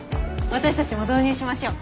私たちも導入しましょう。